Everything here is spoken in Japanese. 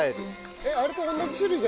えっあれと同じ種類じゃないんですか？